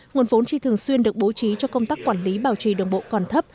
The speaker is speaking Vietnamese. nguồn vốn chỉ thường xuyên được bố trí cho công tác quản lý bảo trì đường bộ còn thấp